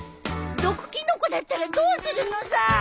毒キノコだったらどうするのさ。